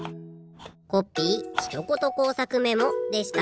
コッピーひとこと工作メモでした